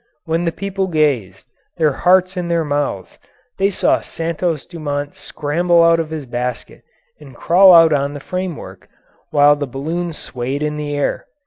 While the people gazed, their hearts in their mouths, they saw Santos Dumont scramble out of his basket and crawl out on the framework, while the balloon swayed in the air.